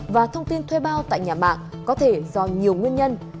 và thông tin thuê bao tại nhà mạng có thể do nhiều nguyên nhân